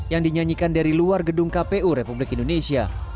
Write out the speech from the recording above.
yang dinyanyikan dari luar gedung kpu republik indonesia